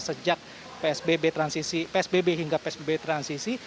sejak psbb hingga psbb transisi